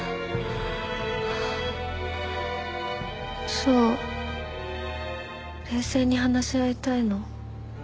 そう冷静に話し合いたいの。